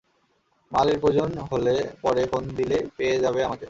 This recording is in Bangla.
মালের প্রয়োজন হলে পরে, ফোন দিলে পেয়ে যাবে আমাকে।